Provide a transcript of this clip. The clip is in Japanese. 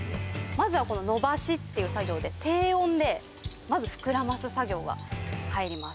まずはこののばしっていう作業で低温でまず膨らます作業が入ります